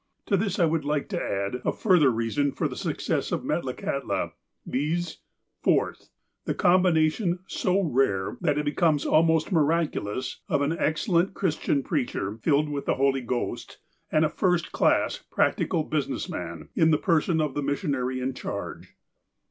To this I would like to add a further reason for the success of Metlakahtla, viz : Fourth : The combination, so rare, that it becomes almost miraculous, of an excellent Christian preacher, filled with the Holy Ghost, and a first class, practical business man, in the person of the missionary in charge.